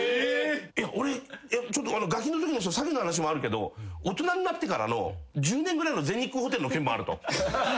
俺がきのときの詐欺の話もあるけど大人になってからの１０年ぐらいの全日空ホテルの件もあると。